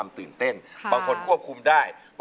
อายุ๒๔ปีวันนี้บุ๋มนะคะ